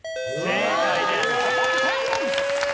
正解です。